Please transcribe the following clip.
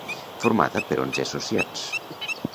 Formada per onze associats.